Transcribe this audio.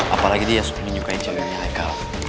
apalagi dia suka nyukai jaminan eka